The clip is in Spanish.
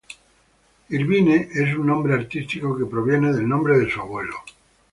Irvine es un nombre artístico que proviene del nombre de su abuelo.